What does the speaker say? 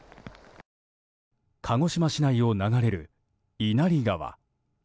鹿児島市内を流れる稲荷川。